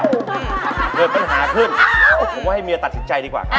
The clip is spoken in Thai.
เกิดปัญหาขึ้นผมว่าให้เมียตัดสินใจดีกว่าครับ